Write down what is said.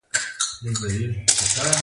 د پوهنې سکتور اقتصاد ته وده ورکوي